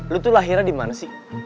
lo tuh lahirnya dimana sih